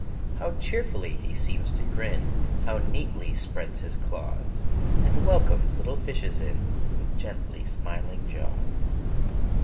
How cheerfully he seems to grin How neatly spreads his claws, And welcomes little fishes in, With gently smiling jaws!